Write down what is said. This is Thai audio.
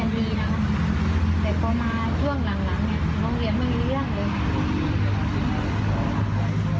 เป็นคนเรียนรึเปล่าแต่ช่วงหลังรงเรียนมันเป็นอันอีกอย่างเลย